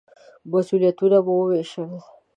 مسوولیتونه مو ووېشل.